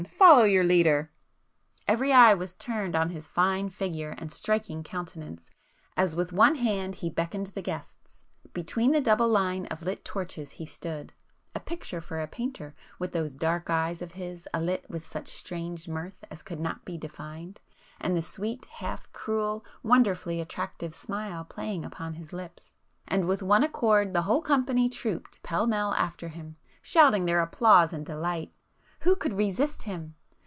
—follow your leader!" Every eye was turned on his fine figure and striking countenance, as with one hand he beckoned the guests,—between the double line of lit torches he stood,—a picture for a painter, with those dark eyes of his alit with such strange mirth as could not be defined, and the sweet, half cruel, wonderfully attractive smile playing upon his lips;—and with one accord the whole company trooped pell mell after him, shouting their applause and delight. Who could resist him!